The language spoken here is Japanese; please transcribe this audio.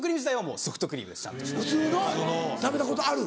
普通の食べたことある？